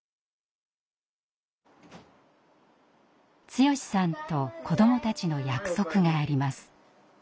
剛さんと子どもたちの約束があります。